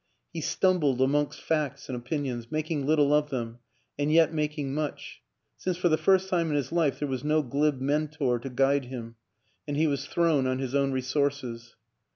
He stumbled amongst facts and opin ions, making little of them and yet making much since for the first time in his life there was no glib mentor to guide him and he was thrown on his own resources.